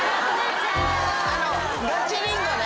ガチリンゴね。